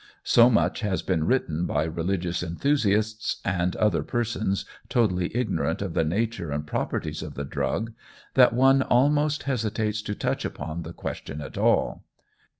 So much has been written by religious enthusiasts, and other persons totally ignorant of the nature and properties of the drug, that one almost hesitates to touch upon the question at all.